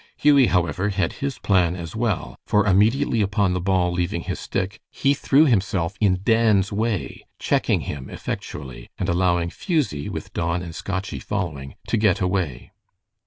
Hughie, however, had his plan as well, for immediately upon the ball leaving his stick, he threw himself in Dan's way, checking him effectually, and allowing Fusie, with Don and Scotchie following, to get away.